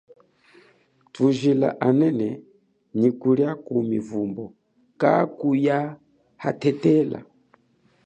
Thujila anene nyi kulia kumuvumbo kakuya hathethela.